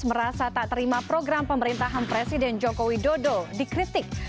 merasa tak terima program pemerintahan presiden jokowi dodo dikritik